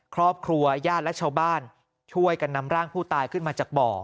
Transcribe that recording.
ครอบครัวญาติและชาวบ้านช่วยกันนำร่างผู้ตายขึ้นมาจากบ่อ